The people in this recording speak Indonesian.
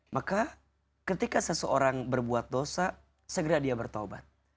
maka ketika seseorang berbuat dosa segera dia bertaubat